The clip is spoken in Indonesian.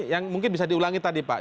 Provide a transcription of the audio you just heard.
yang mungkin bisa diulangi tadi pak